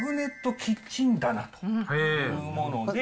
キッチン棚というもので。